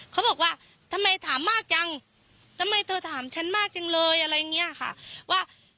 เขาบอกว่าทำไมถามมากจังทำไมเธอถามฉันมากจังเลยอะไรอย่างเงี้ยค่ะว่า